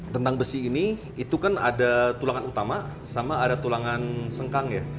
tentang besi ini itu kan ada tulangan utama sama ada tulangan sengkang ya